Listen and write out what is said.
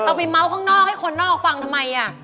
เอาไปเมาส์ข้างนอกให้คนนอกฟังทำไม